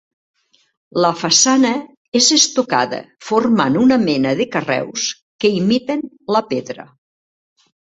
La façana és estocada formant una mena de carreus que imiten la pedra.